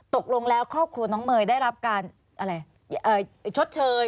ตกลงแล้วครอบครัวน้องเมย์ได้รับการอะไรชดเชย